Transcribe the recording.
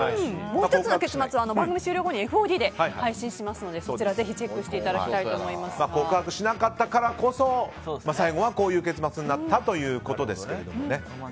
もう１つの結末は番組終了後にＦＯＤで配信しますのでぜひチェック告白しなかったからこそ最後はこういう結末になったということですが。